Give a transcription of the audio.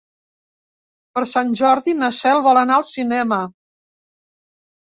Per Sant Jordi na Cel vol anar al cinema.